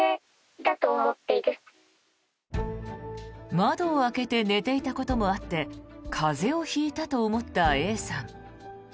窓を開けて寝ていたこともあって風邪を引いたと思ったＡさん。